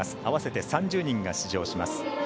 合わせて３０人が出場します。